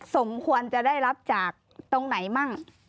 สมควรจะได้รับจากตรงไหนมั่ง